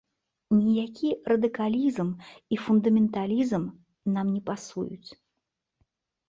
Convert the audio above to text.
Ніякі радыкалізм і фундаменталізм нам не пасуюць.